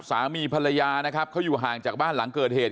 สามีภรรยานะครับเขาอยู่ห่างจากบ้านหลังเกิดเหตุ